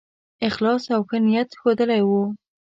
اخلاص او ښه نیت ښودلی وو.